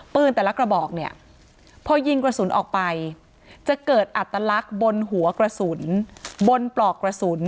ปืนแต่ละกระบอกเนี่ยพอยิงกระสุนออกไปจะเกิดอัตลักษณ์บนหัวกระสุน